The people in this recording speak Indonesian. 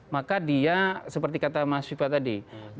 maka dia seperti kata mas viva tadi